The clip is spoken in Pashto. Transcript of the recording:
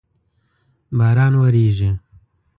باران وریږی